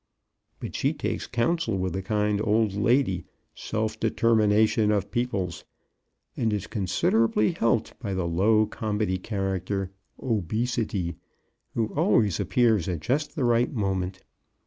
But she takes counsel with the kind old lady, Self Determination of Peoples, and is considerably helped by the low comedy character, Obesity, who always appears at just the right moment.